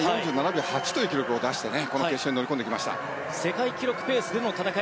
４７秒８という記録を出して決勝に乗り込んできました。